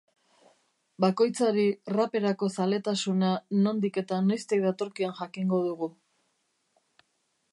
Bakoitzari raperako zaletasuna nondik eta noiztik datorkion jakingo dugu.